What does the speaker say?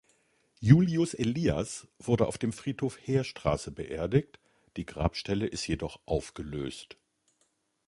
Julius Elias wurde auf dem Friedhof Heerstraße beerdigt, die Grabstelle ist jedoch aufgelöst.